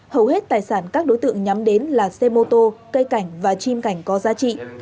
hầu hết tài sản các đối tượng nhắm đến là xe mô tô cây cảnh và chim cảnh có giá trị